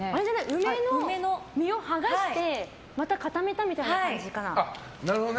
梅の実を剥がしてまた固めたみたいな感じかな。